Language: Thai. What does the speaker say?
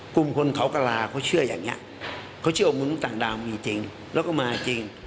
กลุ่มคนเขากระลาเขาเชื่ออย่างนี้เขาเชื่อว่ามนุษย์ต่างดาวมีจริงแล้วก็มาจริง